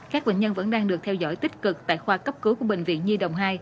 các bệnh nhân vẫn đang được theo dõi tích cực tại khoa cấp cứu của bệnh viện nhi đồng hai